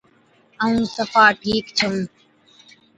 ائُون صفا ٺِيڪ ڇَئُون۔